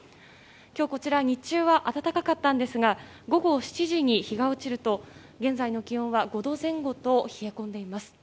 今日、こちら、日中は暖かったんですが午後７時に日が落ちると現在の気温は５度前後と冷え込んでいます。